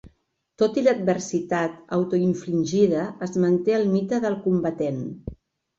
Tot i l'adversitat autoinfligida, es manté el mite del "combatent".